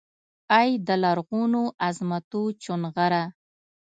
ای دلرغونوعظمتوچونغره!